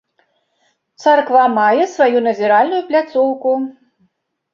Царква мае сваю назіральную пляцоўку.